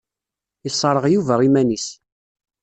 Yesṛeɣ Yuba iman-is.